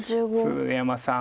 鶴山さん